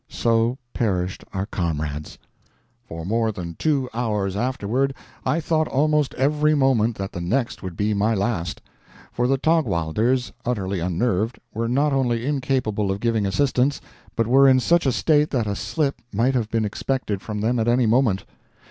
So perished our comrades! For more than two hours afterward I thought almost every moment that the next would be my last; for the Taugwalders, utterly unnerved, were not only incapable of giving assistance, but were in such a state that a slip might have been expected from them at any moment.